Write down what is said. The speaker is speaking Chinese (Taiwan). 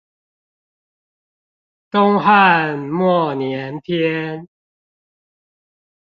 東漢末年篇